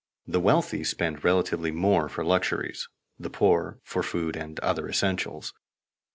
The wealthy spend relatively more for luxuries, the poor for food and other essentials.